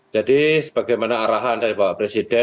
jadi sebagaimana arahan dari bapak presiden